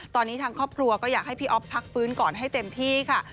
ตอนนี้ทางครอบครัวก็อยากให้พี่อ๊อฟพักฟื้นก่อนให้เต็มที่ค่ะ